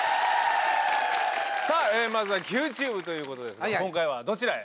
さぁまずは「ＱＴｕｂｅ」ということですが今回はどちらへ？